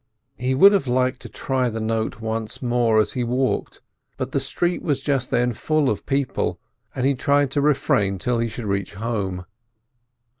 He would have liked to try the note once more as he walked, but the street was just then full of people, and he tried to refrain till he should reach home.